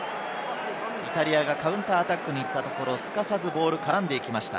イタリアがカウンターアタックに行ったところ、すかさずボールに絡んでいきました。